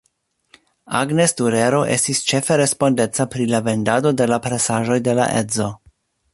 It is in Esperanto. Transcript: Agnes Durero estis ĉefe respondeca pri la vendado de la presaĵoj de la edzo.